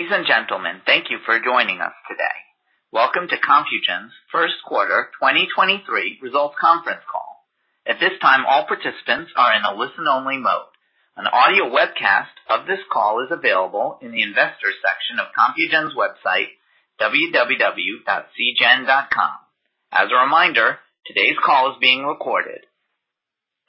Ladies and gentlemen, thank you for joining us today. Welcome to Compugen's first quarter 2023 results conference call. At this time, all participants are in a listen-only mode. An audio webcast of this call is available in the investor section of Compugen's website www.cgen.com. As a reminder, today's call is being recorded.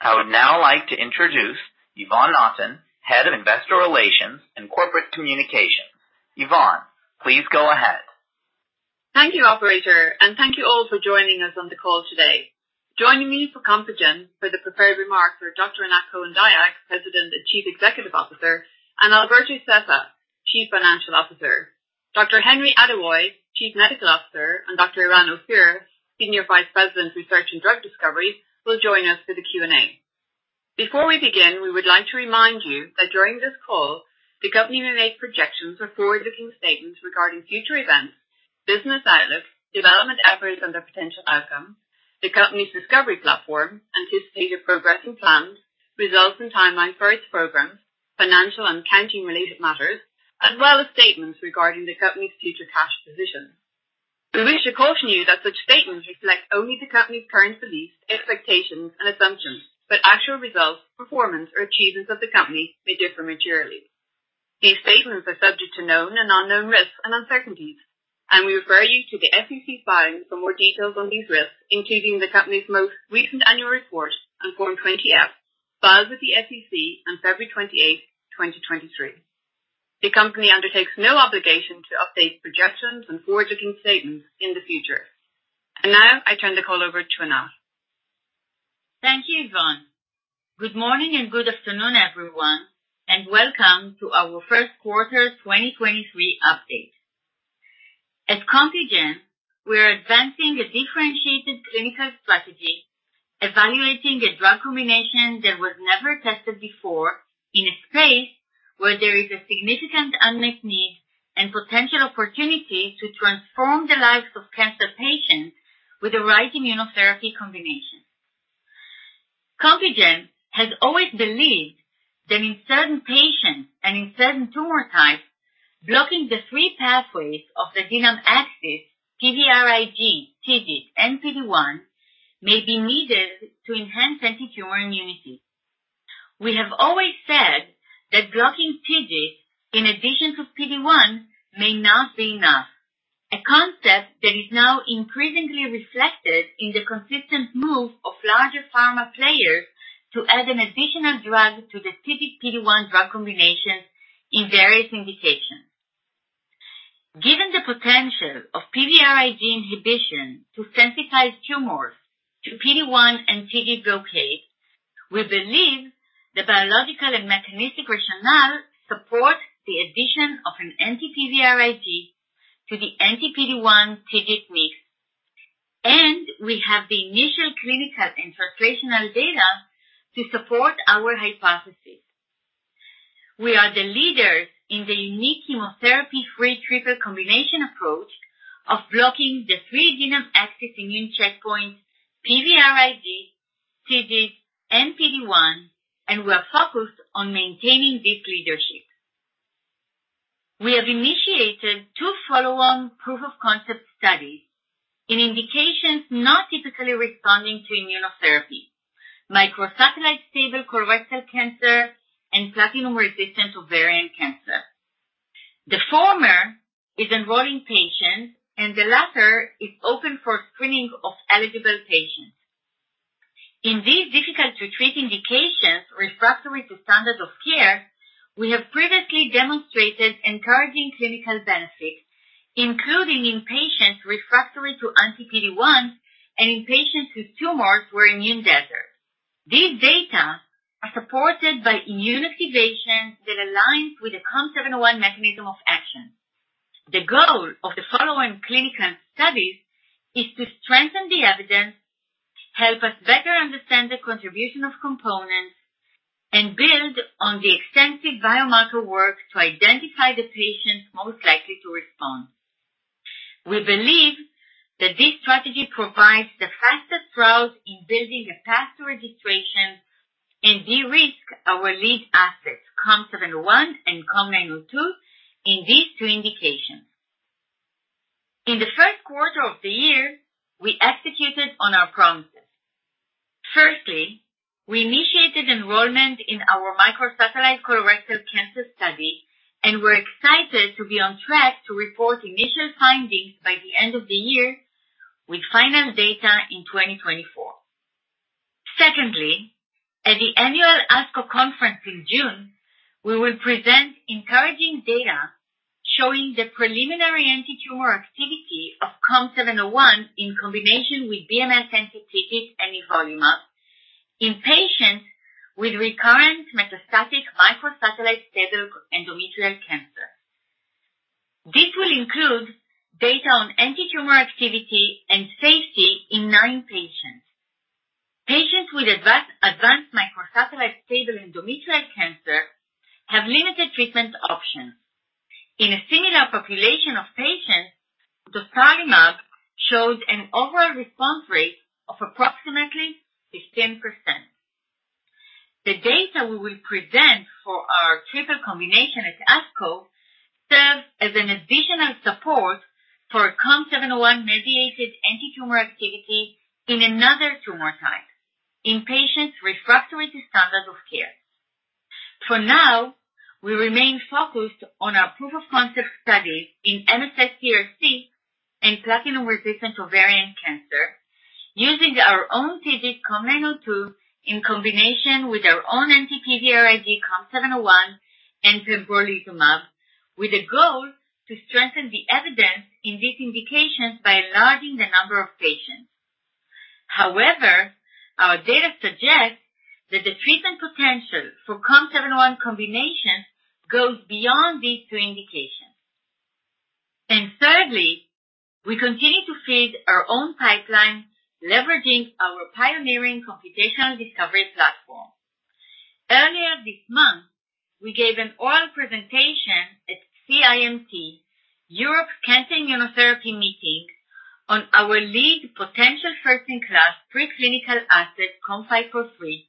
I would now like to introduce Yvonne Naughton, Head of Investor Relations and Corporate Communications. Yvonne, please go ahead. Thank you, operator, and thank you all for joining us on the call today. Joining me for Compugen for the prepared remarks are Dr. Anat Cohen-Dayag, President and Chief Executive Officer, and Alberto Sessa, Chief Financial Officer. Dr. Henry Adewoye, Chief Medical Officer, and Dr. Eran Ophir, Senior Vice President, Research and Drug Discovery, will join us for the Q&A. Before we begin, we would like to remind you that during this call, the company may make projections or forward-looking statements regarding future events, business outlook, development efforts and their potential outcome, the company's discovery platform, anticipated progress and plans, results and timeline for its programs, financial and accounting related matters, as well as statements regarding the company's future cash position. We wish to caution you that such statements reflect only the company's current beliefs, expectations and assumptions, but actual results, performance or achievements of the company may differ materially. These statements are subject to known and unknown risks and uncertainties, and we refer you to the SEC filings for more details on these risks, including the company's most recent annual report on Form 20-F, filed with the SEC on February 28, 2023. The company undertakes no obligation to update projections and forward-looking statements in the future. Now, I turn the call over to Anat. Thank you, Yvonne. Good morning and good afternoon, everyone, and welcome to our first quarter 2023 update. At Compugen, we are advancing a differentiated clinical strategy, evaluating a drug combination that was never tested before in a space where there is a significant unmet need and potential opportunity to transform the lives of cancer patients with the right immunotherapy combination. Compugen has always believed that in certain patients and in certain tumor types, blocking the three pathways of the DNAM axis, PVRIG, TIGIT, and PD-1, may be needed to enhance antitumor immunity. We have always said that blocking TIGIT in addition to PD-1 may not be enough. A concept that is now increasingly reflected in the consistent move of larger pharma players to add an additional drug to the TIGIT PD-1 drug combination in various indications. Given the potential of PVRIG inhibition to sensitize tumors to PD-1 and TIGIT blockade, we believe the biological and mechanistic rationale support the addition of an anti-PVRIG to the anti-PD-1 TIGIT mix. We have the initial clinical and translational data to support our hypothesis. We are the leaders in the unique chemotherapy-free triple combination approach of blocking the 3 genome axis immune checkpoint, PVRIG, TIGIT, and PD-1, and we're focused on maintaining this leadership. We have initiated 2 follow-on proof of concept studies in indications not typically responding to immunotherapy. microsatellite stable colorectal cancer and platinum-resistant ovarian cancer. The former is enrolling patients, and the latter is open for screening of eligible patients. In these difficult to treat indications refractory to standard of care, we have previously demonstrated encouraging clinical benefits, including in patients refractory to anti-PD-1 and in patients whose tumors were immune desert. These data are supported by immune activation that aligns with the COM701 mechanism of action. The goal of the following clinical studies is to strengthen the evidence, help us better understand the contribution of components, and build on the extensive biomarker work to identify the patients most likely to respond. We believe that this strategy provides the fastest route in building a path to registration and de-risk our lead assets, COM701 and COM902 in these two indications. In the first quarter of the year, we executed on our promises. Firstly, we initiated enrollment in or microsatellite colorectal cancer study, and we're excited to be on track to report initial findings by the end of the year, with final data in 2024. At the annual ASCO conference in June, we will present encouraging data showing the preliminary antitumor activity of COM701 in combination with BMS-sensitive TIGIT and ipilimumab in patients with recurrent metastatic microsatellite stable endometrial cancer. This will include data on antitumor activity and safety in nine patients. Patients with advanced microsatellite stable endometrial cancer have limited treatment options. In a similar population of patients, the ipilimumab shows an overall response rate is 10%. The data we will present for our triple combination at ASCO serves as an additional support for COM701-mediated antitumor activity in another tumor type in patients refractory to standard of care. For now, we remain focused on our proof of concept studies in MSS-CRC and platinum-resistant ovarian cancer using our own TIGIT COM902 in combination with our own anti-PVRIG COM701 and pembrolizumab, with a goal to strengthen the evidence in these indications by enlarging the number of patients. However, our data suggests that the treatment potential for COM701 combination goes beyond these two indications. Thirdly, we continue to feed our own pipeline, leveraging our pioneering computational discovery platform. Earlier this month, we gave an oral presentation at CIMT, Europe Cancer Immunotherapy Meeting, on our lead potential first-in-class preclinical asset, COM503,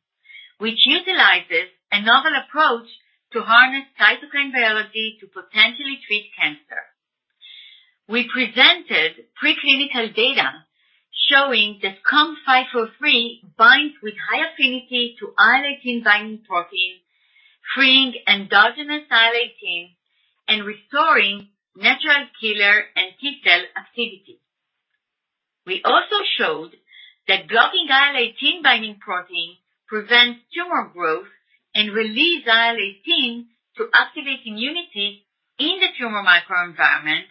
which utilizes a novel approach to harness cytokine biology to potentially treat cancer. We presented preclinical data showing that COM503 binds with high affinity to IL-18 binding protein, freeing endogenous IL-18 and restoring natural killer and T cell activity. We also showed that blocking IL-18 binding protein prevents tumor growth and release IL-18 to activate immunity in the tumor microenvironment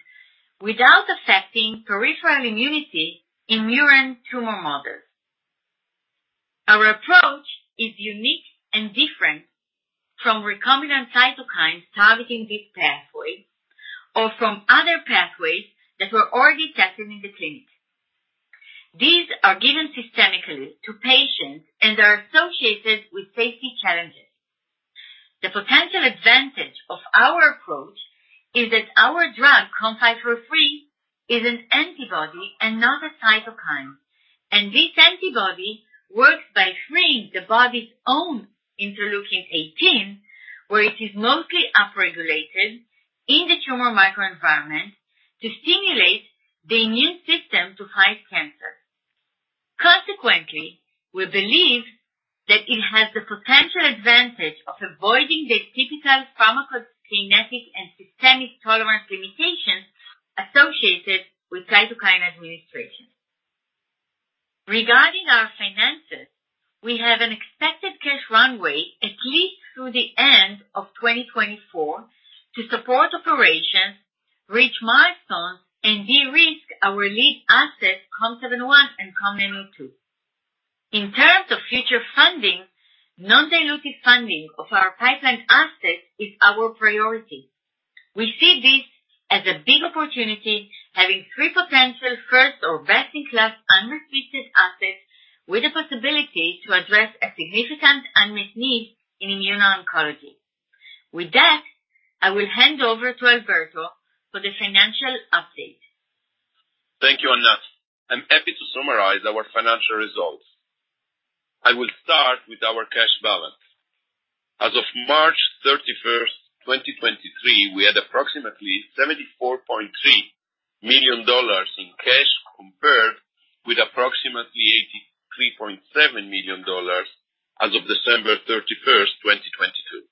without affecting peripheral immunity in murine tumor models. Our approach is unique and different from recombinant cytokines targeting this pathway or from other pathways that were already tested in the clinic. These are given systemically to patients and are associated with safety challenges. The potential advantage of our approach is that our drug, COM503, is an antibody and not a cytokine. This antibody works by freeing the body's own Interleukin-18, where it is mostly upregulated in the tumor microenvironment to stimulate the immune system to fight cancer. Consequently, we believe that it has the potential advantage of avoiding the typical pharmacokinetic and systemic tolerance limitations associated with cytokine administration. Regarding our finances, we have an expected cash runway at least through the end of 2024 to support operations, reach milestones, and de-risk our lead assets, COM701 and COM902. In terms of future funding, non-dilutive funding of our pipeline assets is our priority. We see this as a big opportunity, having three potential first or best-in-class unrestricted assets with the possibility to address a significant unmet need in immuno-oncology. With that, I will hand over to Alberto for the financial update. Thank you, Anat. I'm happy to summarize our financial results. I will start with our cash balance. As of March 31st, 2023, we had approximately $74.3 million in cash compared with approximately $83.7 million as of December 31st, 2022,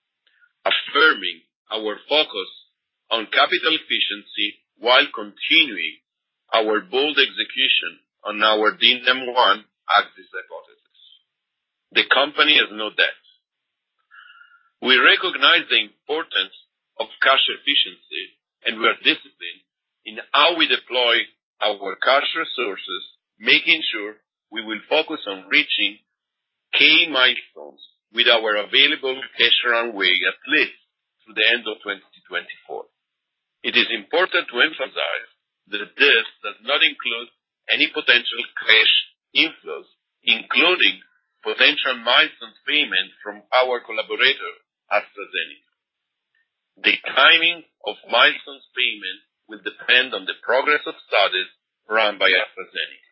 affirming our focus on capital efficiency while continuing our bold execution on our DNAM-1 axis hypothesis. The company has no debt. We recognize the importance of cash efficiency, and we are disciplined in how we deploy our cash resources, making sure we will focus on reaching key milestones with our available cash runway, at least through the end of 2024. It is important to emphasize that this does not include any potential cash inflows, including potential milestones payments from our collaborator, AstraZeneca. The timing of milestones payment will depend on the progress of studies run by AstraZeneca.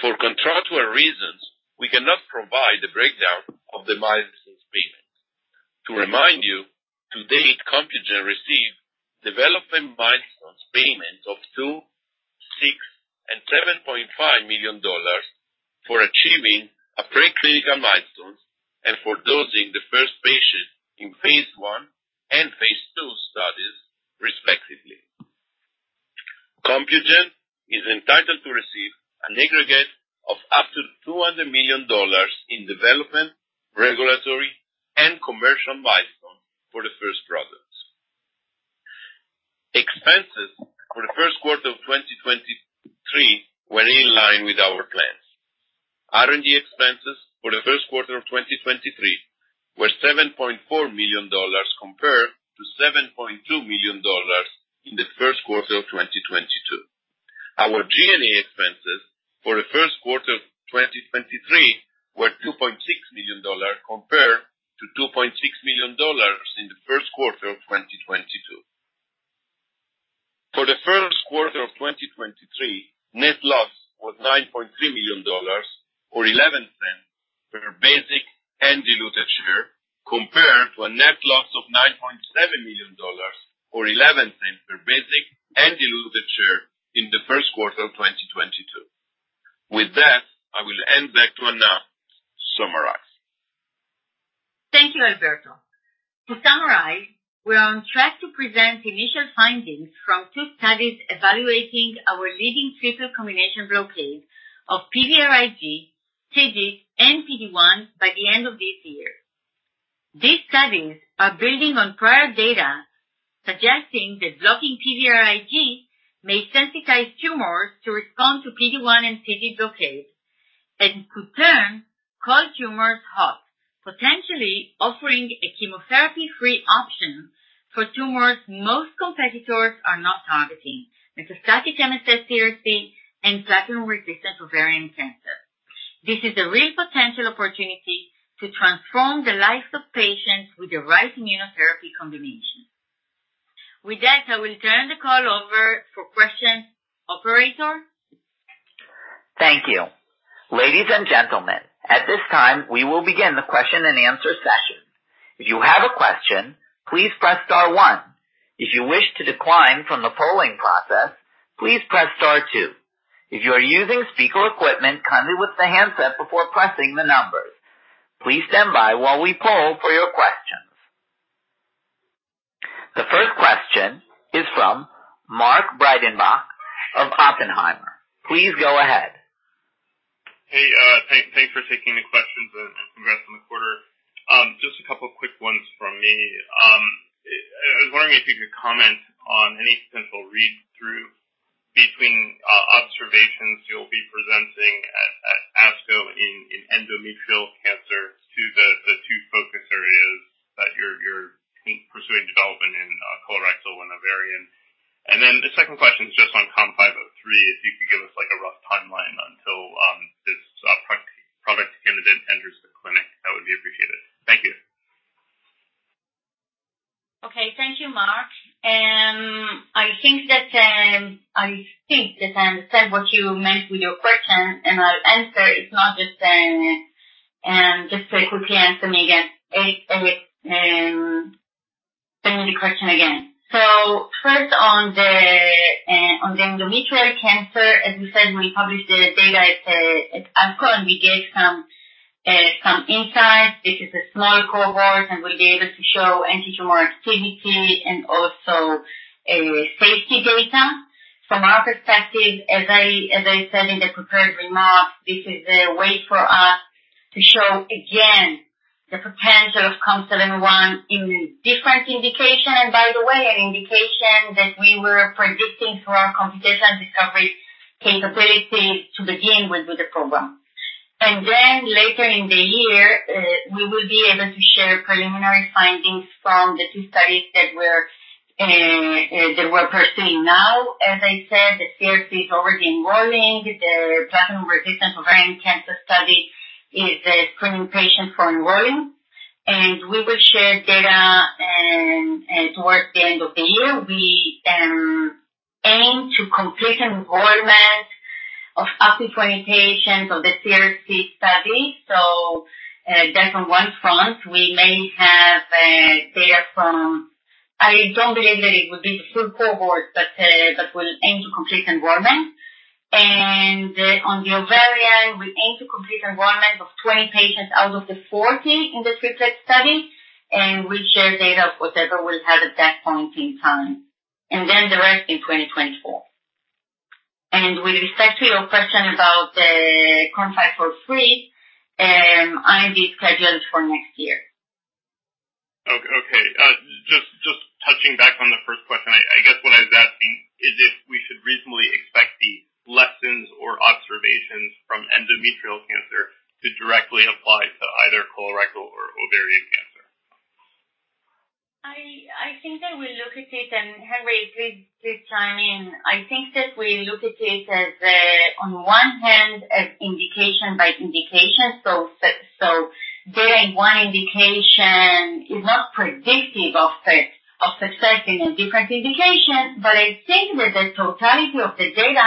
For contractual reasons, we cannot provide the breakdown of the milestones payments. To remind you, to date, Compugen received development milestones payments of $2 million, $6 million, and $7.5 million for achieving a preclinical milestones and for dosing the first patient in phase I and phase II studies, respectively. Compugen is entitled to receive an aggregate of up to $200 million in development, regulatory, and commercial milestones for the first products. Expenses for the first quarter of 2023 were in line with our plans. R&D expenses for the first quarter of 2023 were $7.4 million compared to $7.2 million in the first quarter of 2022. Our G&A expenses for the first quarter of 2023 were $2.6 million compared to $2.6 million in the first quarter of 2022. 2023 net loss was $9.3 million or $0.11 per basic and diluted share compared to a net loss of $9.7 million or $0.11 per basic and diluted share in the first quarter of 2022. With that, I will hand back to Anat to summarize. Thank you, Alberto. To summarize, we are on track to present initial findings from two studies evaluating our leading triple combination blockade of PVRIG, TIGIT and PD-1 by the end of this year. These studies are building on prior data suggesting that blocking PVRIG may sensitize tumors to respond to PD-1 and TIGIT blockade and could turn cold tumors hot, potentially offering a chemotherapy-free option for tumors most competitors are not targeting, metastatic MSS-CRC and platinum-resistant ovarian cancer. This is a real potential opportunity to transform the lives of patients with the right immunotherapy combination. With that, I will turn the call over for questions. Operator? Thank you. Ladies and gentlemen, at this time, we will begin the question and answer session. If you have a question, please press star one. If you wish to decline from the polling process, please press star two. If you are using speaker equipment, kindly whistle the handset before pressing the numbers. Please stand by while we poll for your questions. The first question is from Mark Breidenbach of Oppenheimer. Please go ahead. Hey, thanks for taking the questions and congrats on the quarter. Just a couple of quick ones from me. I was wondering if you could comment on any potential read-through between observations you'll be presenting at ASCO in endometrial cancer to the two focus areas that you're think pursuing development in colorectal and ovarian. The second question is just on COM503, if you could give us, like, a rough timeline until this product candidate enters the clinic, that would be appreciated. Thank you. Okay. Thank you, Mark. I think that I understand what you meant with your question, and I'll answer. If not, just to quickly answer me again. Send me the question again. First on the endometrial cancer, as we said, we published the data at ASCO, and we gave some insights. This is a small cohort, and we'll be able to show anti-tumor activity and also safety data. From our perspective, as I said in the prepared remarks, this is a way for us to show again the potential of COM701 in different indication. By the way, an indication that we were predicting through our computational discovery capability to begin with the program. Later in the year, we will be able to share preliminary findings from the two studies that we're pursuing now. As I said, the CRC is already enrolling. The platinum-resistant ovarian cancer study is screening patients for enrolling. We will share data towards the end of the year. We aim to complete enrollment of up to 20 patients of the CRC study. That's on one front. We may have data from... I don't believe that it would be the full cohort, but we'll aim to complete enrollment. On the ovarian, we aim to complete enrollment of 20 patients out of the 40 in the triplet study, and we share data of whatever we'll have at that point in time, the rest in 2024. With respect to your question about, COM503, IV scheduled for next year. Okay. just touching back on the first question. I guess what I was asking is if we should reasonably expect the lessons or observations from endometrial cancer to directly apply to either colorectal or ovarian cancer. I think I will look at it, and Henry, please chime in. I think that we look at it as on one hand, as indication by indication. Data in one indication is not predictive of success in a different indication. I think that the totality of the data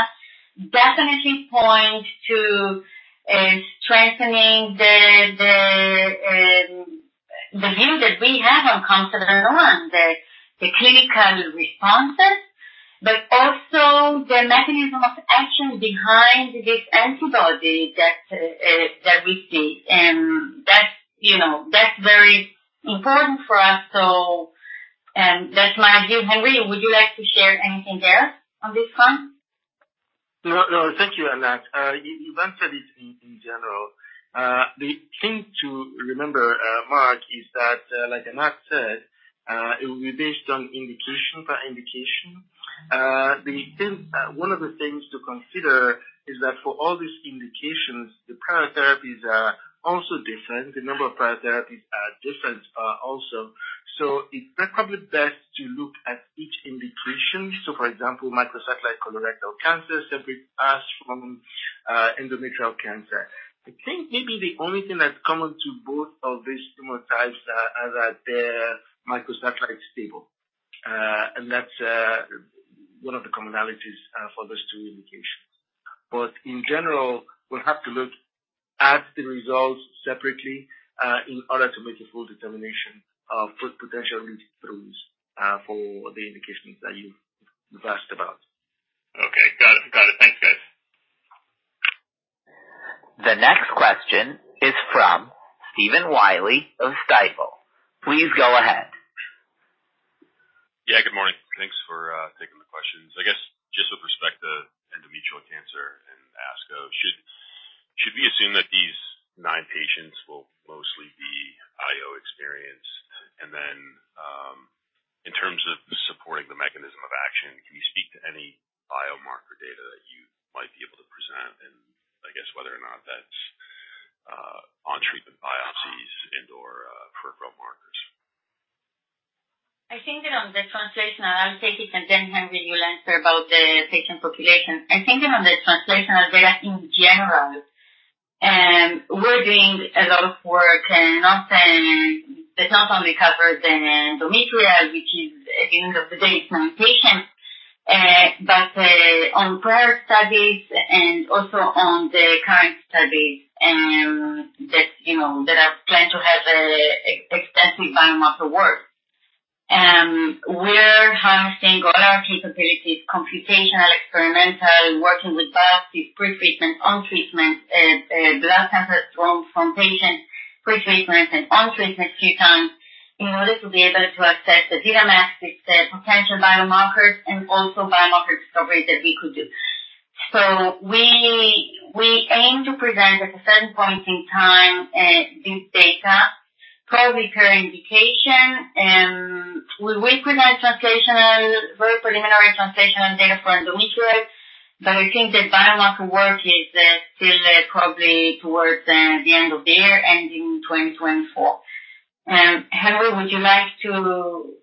definitely points to strengthening the view that we have on COM701, the clinical responses, but also the mechanism of action behind this antibody that we see. That's, you know, that's very important for us. That's my view. Henry, would you like to share anything there on this one? No, no. Thank you, Anna. You, you've answered it in general. The thing to remember, Mark, is that, like Anna said, it will be based on indication by indication. One of the things to consider is that for all these indications, the prior therapies are also different. The number of prior therapies are different, also. It's probably best to look at each indication. For example, microsatellite colorectal cancer is a bit fast from endometrial cancer. I think maybe the only thing that's common to both of these tumor types are that they're microsatellite stable. That's one of the commonalities for those two indications. In general, we'll have to look at the results separately, in order to make a full determination of potential read-throughs, for the indications that you've asked about. Okay. Got it. Got it. Thanks, guys. The next question is from Stephen Willey of Stifel. Please go ahead. Yeah, good morning. Thanks for taking the questions. I guess just with respect to endometrial cancer in ASCO, should we assume that these 9 patients will mostly be IO experienced? In terms of supporting the mechanism of action, can you speak to any biomarker data that you might be able to present? Whether or not that's on treatment biopsies and/or peripheral markers. I think that on the translational, I'll take it, and then, Henry, you'll answer about the patient population. I think that on the translational data, in general, we're doing a lot of work that not only covers endometrial, which is, at the end of the day, it's 9 patients, but on prior studies and also on the current studies, that, you know, that are planned to have extensive biomarker work. We're harnessing all our capabilities, computational, experimental, working with biopsies, pre-treatment, on treatment, blood cancer drawn from patients pre-treatment and on treatment a few times in order to be able to assess the genomics, the potential biomarkers, and also biomarker discovery that we could do. We aim to present at a certain point in time, this data, probably per indication, we recognize very preliminary translational data for endometrial, but I think the biomarker work is still probably towards the end of the year and in 2024. Henry, would you like to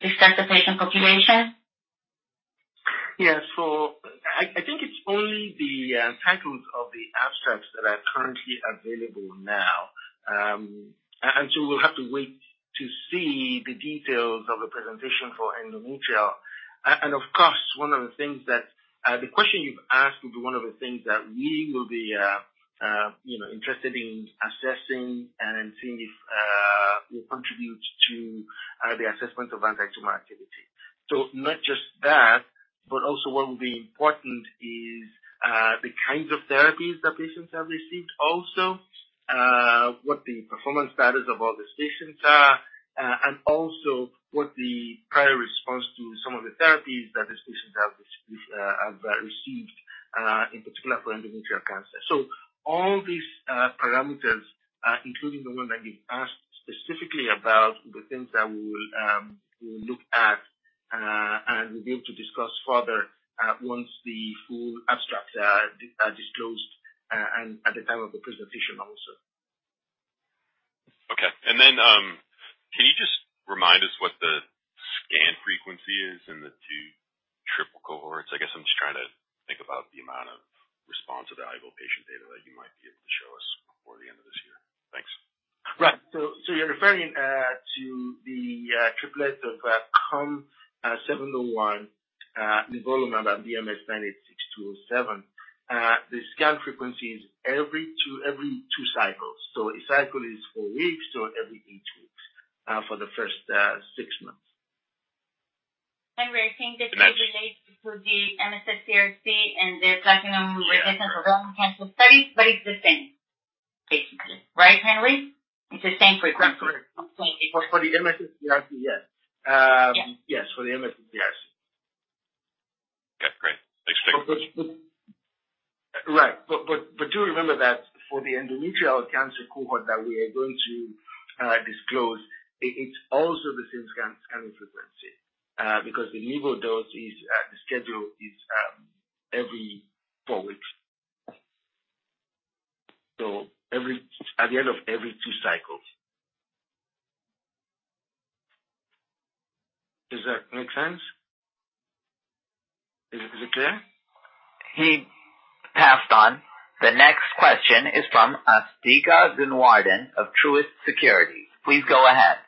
discuss the patient population? Yes. I think it's only the titles of the abstracts that are currently available now. We'll have to wait to see the details of the presentation for endometrial. And of course, one of the things that the question you've asked will be one of the things that we will be, you know, interested in assessing and seeing if it contributes to the assessment of antitumor activity. Not just that, but also what will be important is the kinds of therapies that patients have received also, what the performance status of all the patients are, and also what the prior response to some of the therapies that these patients have received in particular for endometrial cancer. All these parameters, including the one that you asked specifically about, the things that we will look at, and we'll be able to discuss further, once the full abstracts are disclosed, and at the time of the presentation also. Okay. Can you just remind us what the scan frequency is in the two triple cohorts? I guess I'm just trying to think about the amount of response or valuable patient data that you might be able to show us before the end of this year. Thanks. Right. You're referring to the triplet of COM701, nivolumab and BMS-986207. The scan frequency is every two cycles. A cycle is four weeks, so every eight weeks for the first six months. Henry, I think that it relates to the MSKRC and their platinum-resistant ovarian cancer studies, but it's the same, basically. Right, Henry? It's the same frequency. That's correct. For the MSS-CRC, yes. Yes, for the MSS-CRC. Okay, great. Thanks. Take care. Right. Do remember that for the endometrial cancer cohort that we are going to disclose, it's also the same scan, scanning frequency, because the Nivo dose is the schedule is every four weeks. At the end of every two cycles. Does that make sense? Is it clear? He passed on. The next question is from Asthika Goonewardene of Truist Securities. Please go ahead.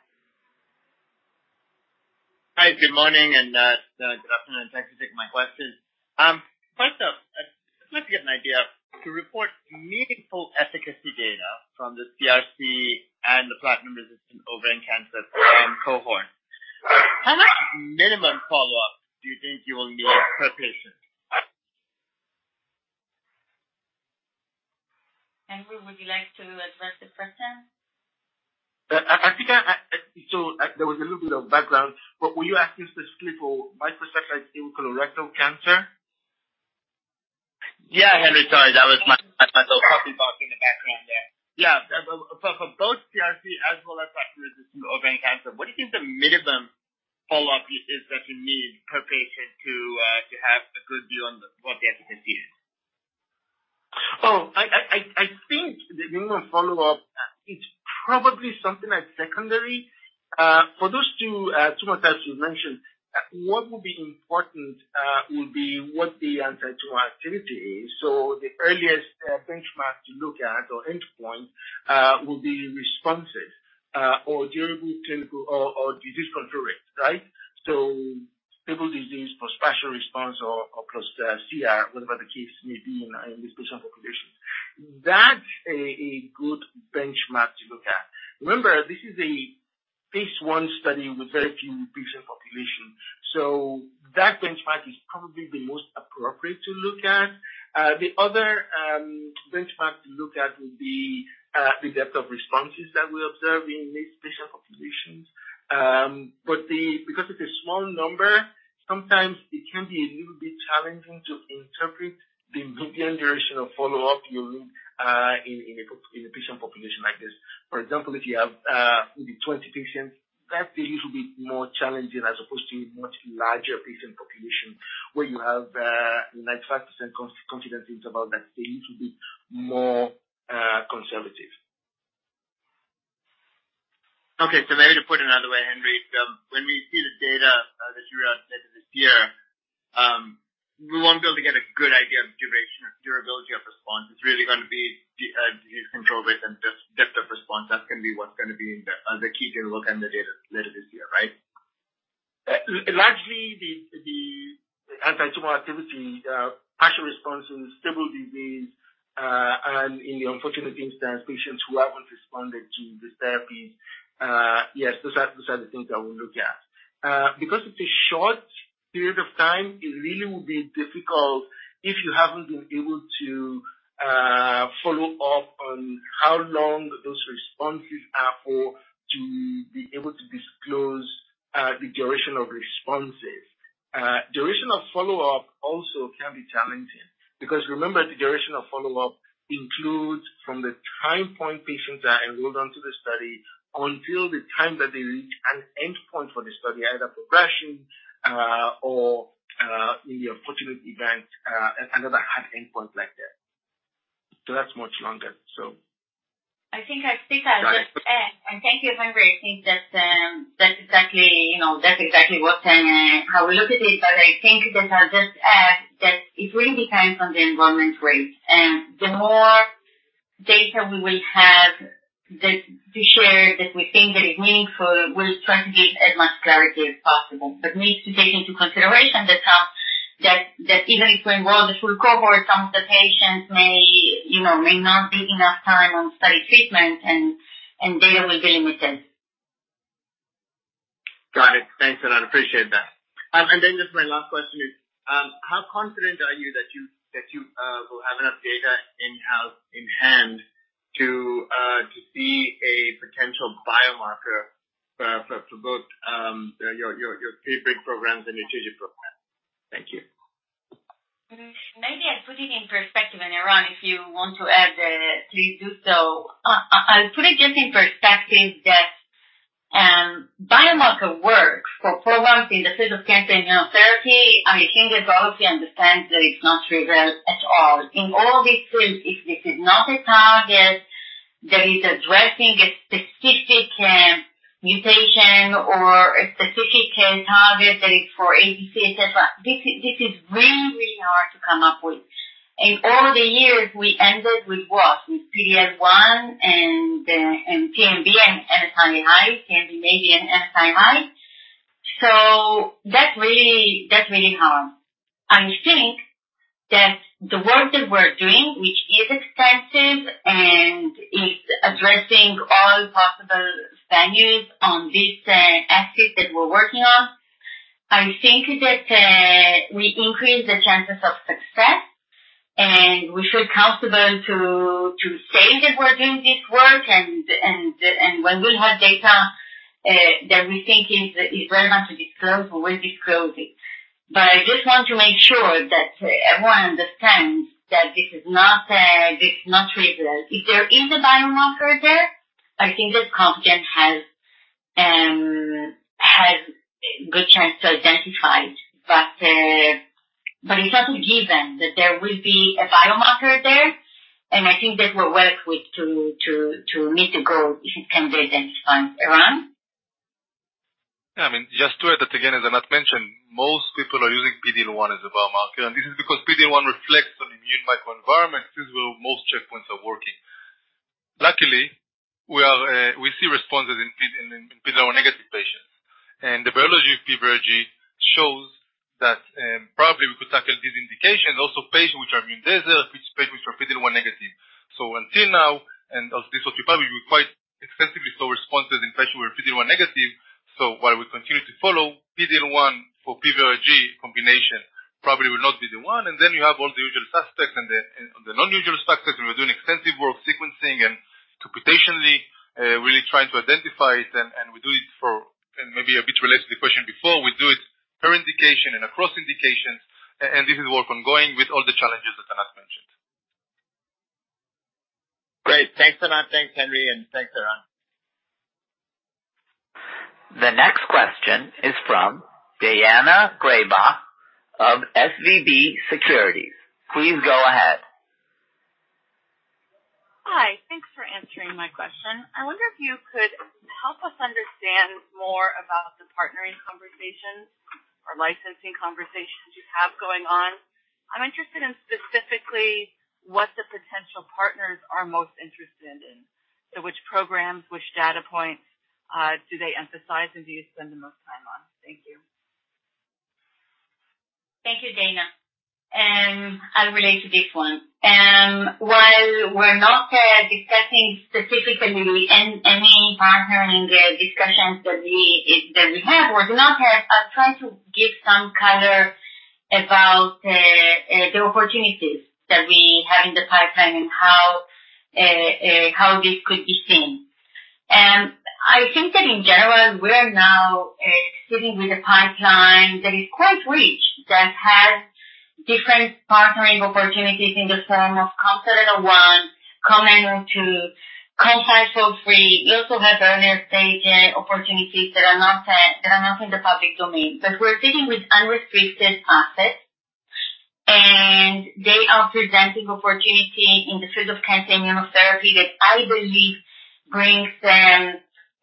Hi, good morning and good afternoon. Thanks for taking my questions. First up, just to get an idea to report meaningful efficacy data from the CRC and the platinum-resistant ovarian cancer cohort. How much minimum follow-up do you think you will need per patient? Henry, would you like to address the question? I think I. There was a little bit of background, but were you asking specifically for microsatellite in colorectal cancer? Yeah, Henry, sorry. That was my little coffee box in the background there. Yeah. For both CRC as well as platinum-resistant ovarian cancer, what do you think the minimum follow-up is that you need per patient to have a good view on what the efficacy is? The minimum follow-up, it's probably something like secondary. For those two tumors, as you mentioned, what will be important will be what the anti-tumor activity is. The earliest benchmark to look at or endpoint will be responses or durable clinical or disease control rate, right? Stable disease, partial response or plus CR, whatever the case may be in this patient population. That's a good benchmark to look at. Remember, this is a phase I study with very few patient population, that benchmark is probably the most appropriate to look at. The other benchmark to look at will be the depth of responses that we observe in these patient populations. Because it's a small number, sometimes it can be a little bit challenging to interpret the median duration of follow-up you'll look in a patient population like this. For example, if you have maybe 20 patients, that is a little bit more challenging as opposed to much larger patient population where you have like, 50% confidence intervals that seem to be more conservative. Okay. maybe to put it another way, Henry, when we see this data, that you have this year, we won't be able to get a good idea of duration or durability of response. It's really gonna be the disease control rate and depth of response. That's gonna be what's gonna be the key to look in the data later this year, right? Largely the anti-tumor activity, partial responses, stable disease, and in the unfortunate instance, patients who haven't responded to this therapy, yes, those are the things that we look at. Because it's a short period of time, it really will be difficult if you haven't been able to follow up on how long those responses are for, to be able to disclose the duration of responses. Duration of follow-up also can be challenging because remember, the duration of follow-up includes from the time point patients are enrolled onto the study until the time that they reach an endpoint for the study, either progression, or maybe unfortunate event, another hard endpoint like that. That's much longer. I think I'd stick out just, and thank you, Henry. I think that's exactly, you know, that's exactly what and, how we look at it. I think that I'll just add that it really depends on the enrollment rate. The more data we will have to share that we think that is meaningful, we'll try to give as much clarity as possible. We need to take into consideration that even if we enroll the full cohort, some of the patients may, you know, may not be enough time on study treatment and data will be limited. Got it. Thanks, Anat. Appreciate that. Then just my last question is, how confident are you that you will have enough data in-house, in hand to see a potential biomarker for both your PVRIG programs and your TIGIT programs? Thank you. Maybe I put it in perspective, Eran, if you want to add, please do so. I'll put it just in perspective that biomarker work for programs in the field of cancer immunotherapy, I think everybody understands that it's not trivial at all. In all these fields, if this is not a target that is addressing a specific mutation or a specific target that is for ADC, et cetera, this is really, really hard to come up with. In all of the years, we ended with what? With PD-L1 and pembrolizumab and MSI-High. That's really hard. I think that the work that we're doing, which is extensive and is addressing all possible avenues on this asset that we're working on, I think that we increase the chances of success. We feel comfortable to say that we're doing this work and when we'll have data that we think is relevant to disclose, we'll disclose it. I just want to make sure that everyone understands that this is not trivial. If there is a biomarker there, I think that Compugen has a good chance to identify it. But it's not a given that there will be a biomarker there. I think that we're well equipped to meet the goal if it can be identified. Eran? Yeah. I mean, just to add that again, as Anatt mentioned, most people are using PD-L1 as a biomarker. This is because PD-L1 reflects on immune microenvironments. This is where most checkpoints are working. Luckily, we see responses in PD-L1 negative patients. The biology of PVRIG shows that, probably we could tackle this indication, also patients which are immune desert, which patients which are PD-L1 negative. Until now, and as this occupied, we quite extensively saw responses in patients who are PD-L1 negative. While we continue to follow PD-L1 for PVRIG combination probably will not be the one, then you have all the usual suspects and the non-usual suspects, and we're doing extensive work sequencing and computationally, really trying to identify it. We do it for... Maybe a bit related to the question before, we do it per indication and across indications, and this is work ongoing with all the challenges that Anat mentioned. Great. Thanks, Anat. Thanks, Henry. Thanks, Eran. The next question is from Daina Graybosch of SVB Securities. Please go ahead. Hi. Thanks for answering my question. I wonder if you could help us understand more about the partnering conversations or licensing conversations you have going on. I'm interested in specifically what the potential partners are most interested in. Which programs, which data points, do they emphasize, and do you spend the most time on? Thank you. Thank you, Diana. I'll relate to this one. While we're not discussing specifically any partnering discussions that we have or do not have. I'll try to give some color about the opportunities that we have in the pipeline and how this could be seen. I think that in general, we're now sitting with a pipeline that is quite rich, that has different partnering opportunities in the form of COM701, COM902, COM503. We also have earlier-stage opportunities that are not in the public domain. We're sitting with unrestricted assets, and they are presenting opportunity in the field of cancer immunotherapy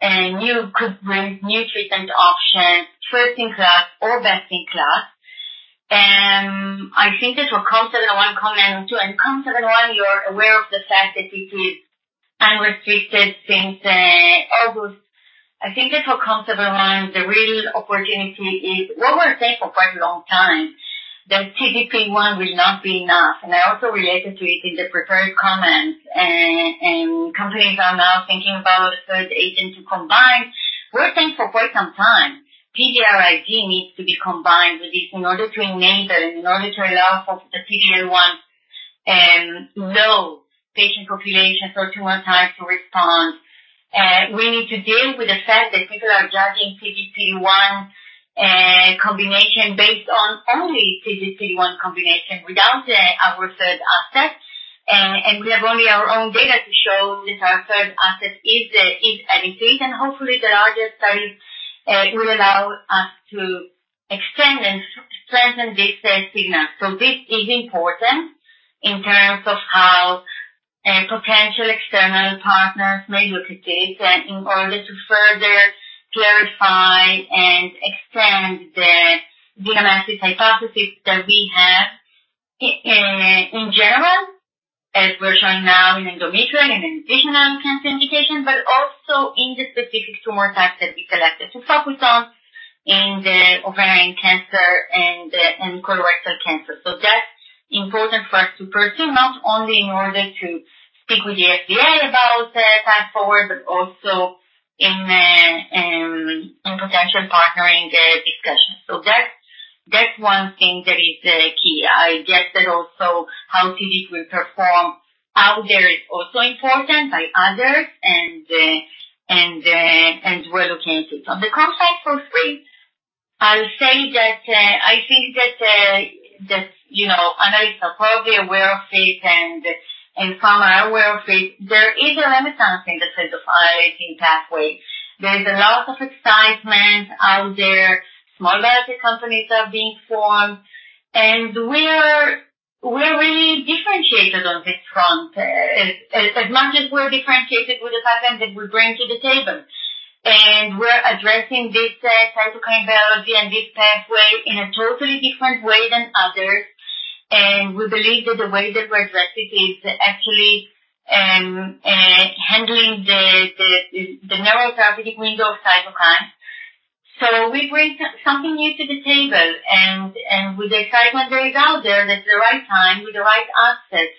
that I believe brings new treatment options, first in class or best in class. I think that for COM701, COM902 and COM701, you're aware of the fact that it is unrestricted since August. I think that for COM701, the real opportunity is what we're saying for quite a long time, that PD-1 will not be enough. I also related to it in the prepared comments. Companies are now thinking about a third agent to combine. We're saying for quite some time, PVRIG needs to be combined with this in order to enable it, in order to allow for the COM701, low patient population, so to want high to respond. We need to deal with the fact that people are judging CDPD one combination based on only CDPD-1 combination without our third asset. We have only our own data to show that our third asset is adequate. Hopefully the larger study will allow us to extend and strengthen this signal. This is important in terms of how potential external partners may look at this and in order to further clarify and extend the BMS's hypothesis that we have in general, as we're showing now in endometrial and additional cancer indications, but also in the specific tumor types that we selected. Focus on in the ovarian cancer and colorectal cancer. That's important for us to pursue, not only in order to speak with the FDA about path forward, but also in potential partnering discussions. That's one thing that is key. I guess that also how CD will perform out there is also important by others and we're looking at it. On the COM503, I'll say that, I think that, you know, I know you're probably aware of it and some are aware of it. There is a renaissance in the field of IL-18 pathway. There is a lot of excitement out there. Small biotech companies are being formed. We're really differentiated on this front, as much as we're differentiated with the platform that we bring to the table. We're addressing this cytokine biology and this pathway in a totally different way than others. We believe that the way that we address it is actually handling the narrow therapeutic window of cytokine. We bring something new to the table and with the excitement that is out there, and it's the right time with the right assets.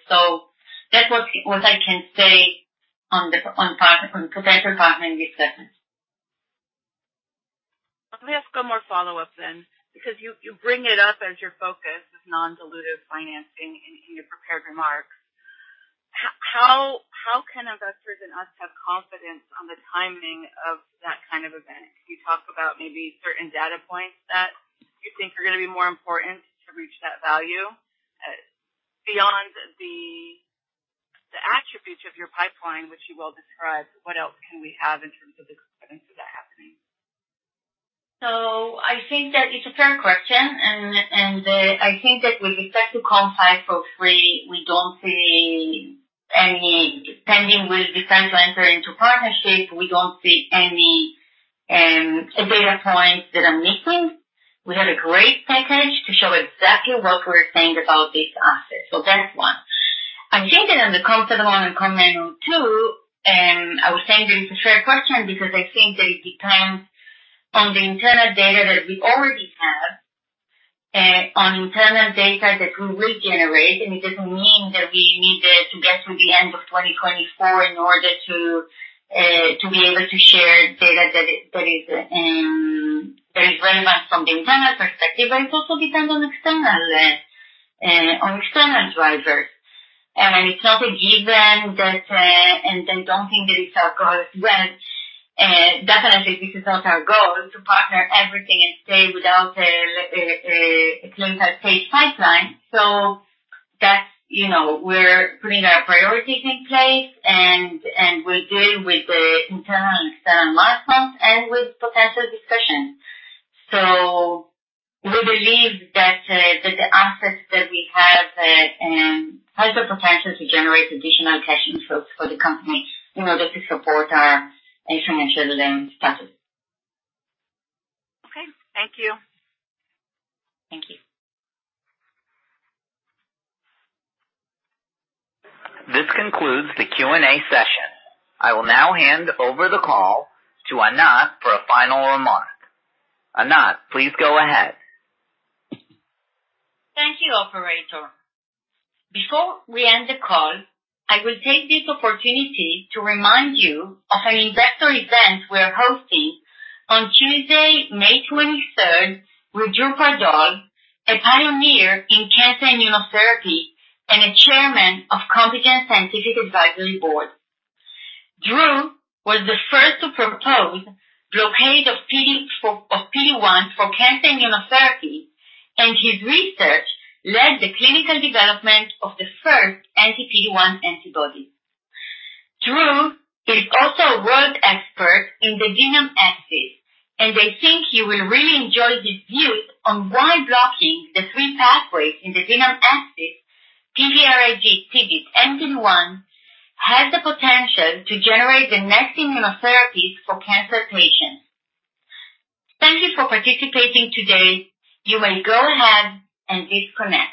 That's what I can say on the potential partnering discussions. Let me ask a more follow-up then, because you bring it up as your focus, this non-dilutive financing in your prepared remarks. How can investors and us have confidence on the timing of that kind of event? Could you talk about maybe certain data points that you think are gonna be more important to reach that value beyond the attributes of your pipeline, which you well described, what else can we have in terms of the confidence of that happening? I think that it's a fair question, and I think that with respect to COM503, we don't see any pending with the time to enter into partnerships. We don't see any data points that are missing. We have a great package to show exactly what we're saying about this asset. That's one. I think that on the COM701 and COM902, I would say that it's a fair question because I think that it depends on the internal data that we already have, on internal data that we will generate. It doesn't mean that we need it to get to the end of 2024 in order to be able to share data that is relevant from the internal perspective, but it also depends on external on external drivers. It's not a given that. I don't think that it's our goal as well. Definitely this is not our goal to partner everything and stay without a clinical-stage pipeline. That's, you know, we're putting our priorities in place and we're dealing with the internal and external milestones and with potential discussions. We believe that the assets that we have has the potential to generate additional cash inflows for the company in order to support our financial status. Okay. Thank you. Thank you. This concludes the Q&A session. I will now hand over the call to Anat for a final remark. Anat, please go ahead. Thank you, operator. Before we end the call, I will take this opportunity to remind you of an investor event we're hosting on Tuesday, May 23rd, with Drew Pardoll, a pioneer in cancer immunotherapy and a chairman of Compugen's Scientific Advisory Board. Drew was the first to propose blockade of PD-1 for cancer immunotherapy. His research led the clinical development of the first anti-PD-1 antibody. Drew is also a world expert in the DNAM axis. I think you will really enjoy his views on why blocking the three pathways in the DNAM axis, PVRIG, TIGIT, and PD-1, has the potential to generate the next immunotherapies for cancer patients. Thank you for participating today. You may go ahead and disconnect.